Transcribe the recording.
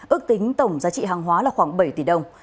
ước tính tổng giá trị hàng hóa là khoảng bảy tỷ đồng